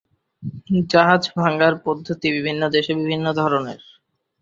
জাহাজ ভাঙ্গার পদ্ধতি বিভিন্ন দেশে বিভিন্ন ধরনের।